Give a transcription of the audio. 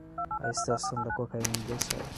A extração da cocaína deu certo